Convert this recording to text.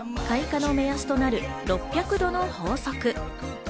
開花の目安となる６００度の法則。